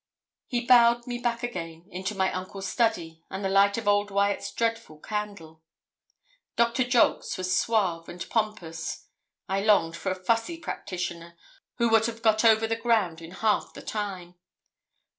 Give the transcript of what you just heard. He bowed me back again into my uncle's study, and the light of old Wyat's dreadful candle. Doctor Jolks was suave and pompous. I longed for a fussy practitioner who would have got over the ground in half the time.